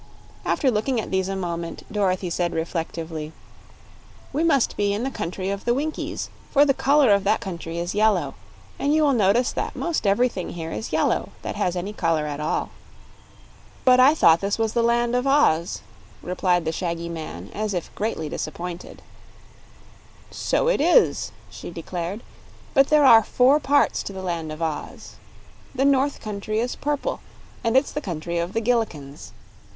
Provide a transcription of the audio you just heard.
After looking at these a moment Dorothy said reflectively: "We must be in the Country of the Winkies, for the color of that country is yellow, and you will notice that 'most everything here is yellow that has any color at all." "But I thought this was the Land of Oz," replied the shaggy man, as if greatly disappointed. "So it is," she declared; "but there are four parts to the Land of Oz. The North Country is purple, and it's the Country of the Gillikins.